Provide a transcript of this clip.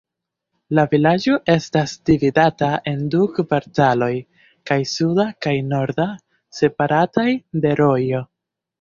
La vilaĝo estas dividata en du kvartaloj, kaj suda kaj norda, separataj de rojo.